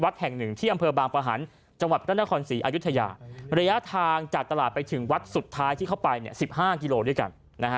ด้านละครศรีอายุธยาระยะทางจากตลาดไปถึงวัดสุดท้ายที่เข้าไป๑๕กิโลด้วยกัน